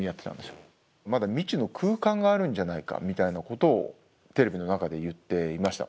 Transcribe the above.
まだ未知の空間があるんじゃないかみたいなことをテレビの中で言っていました。